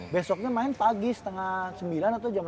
besoknya main pagi setengah sembilan atau jam empat